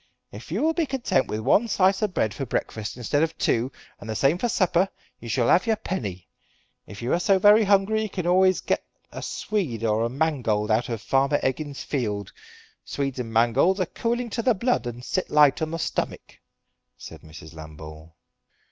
If you will be content with one slice of bread for breakfast instead of two, and the same for supper, you shall have your penny. If you are so very hungry you can always get a swede or a mangold out of Farmer Eggins's field. Swedes and mangolds are cooling to the blood and sit light on the stomick," said Mrs. Lambole.